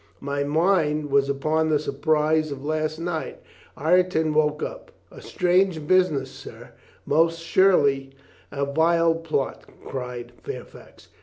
My mind was upon the surprise of last night." Ireton woke up. "A strange business, sir." "Most surely a vile plot," cried Fairfax.